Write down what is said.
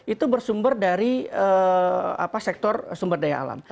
itu bersumber dari sektor sumber daya alam